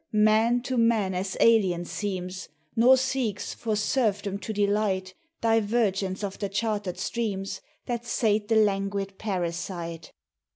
man to Man as alien seems, Nor seeks, for serfdom to delight, Divergence of the chartered streams That sate the languid parasite; 22 MEMORIAL DAY.